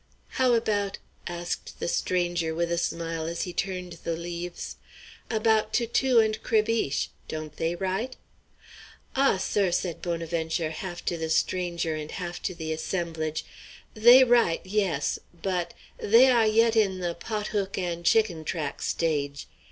"How about," asked the stranger, with a smile, as he turned the leaves, "about Toutou and Crébiche; don't they write?" "Ah! sir," said Bonaventure, half to the stranger and half to the assemblage, "they write, yes; but they ah yet in the pot hook and chicken track stage.